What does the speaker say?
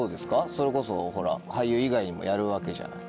それこそ俳優以外もやるわけじゃない。